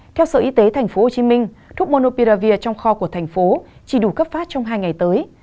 theo sở y tế tp hcm thuốc monopiravir trong kho của thành phố chỉ đủ cấp phát trong hai ngày tới